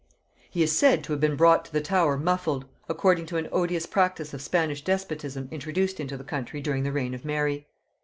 He is said to have been brought to the Tower muffled, according to an odious practice of Spanish despotism introduced into the country during the reign of Mary.